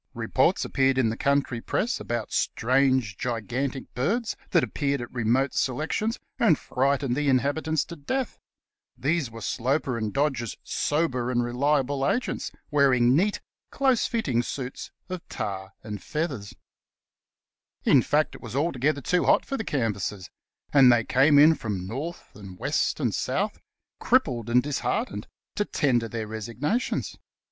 Reports appeared in the country press about strange, gigantic birds that appeared at remote selections and frightened the inhabitants to death — these were Sloper and Dodge's sober and reliable agents, wearing neat, close fitting suits of tar and feathers. 20 The Cast iron Canvasser In fact, it was altogether too hot for the canvassers, and they came in from North and West and South, crippled and disheartened, to tender their resignations.